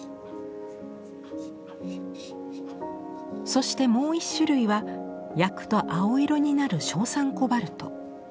そしてもう１種類は焼くと青色になる硝酸コバルト。